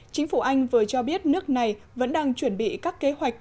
chính phủ anh vừa cho biết nước này vẫn đang chuẩn bị các kế hoạch